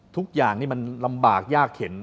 ทุกอย่างนี่มันลำบากยากเข็น